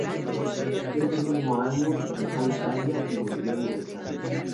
Ese mismo año dejó Italia y volvió a Inglaterra.